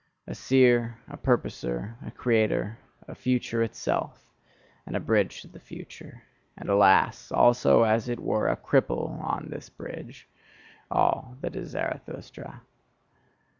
A seer, a purposer, a creator, a future itself, and a bridge to the future and alas! also as it were a cripple on this bridge: all that is Zarathustra.